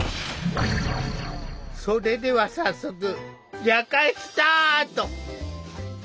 それでは早速夜会スタート！